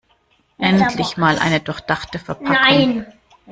Endlich mal eine durchdachte Verpackung.